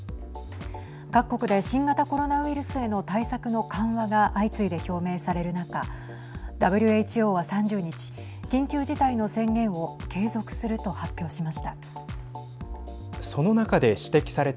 各国で新型コロナウイルスへの対策の緩和が相次いで表明される中ＷＨＯは３０日緊急事態の宣言を継続すると発表しました。